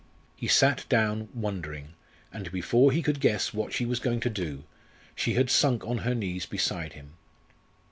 He sat down, wondering, and before he could guess what she was going to do she had sunk on her knees beside him.